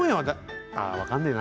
分からないな